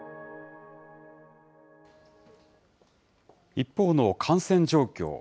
一方の感染状況。